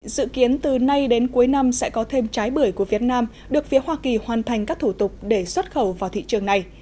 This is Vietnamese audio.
dự kiến từ nay đến cuối năm sẽ có thêm trái bưởi của việt nam được phía hoa kỳ hoàn thành các thủ tục để xuất khẩu vào thị trường này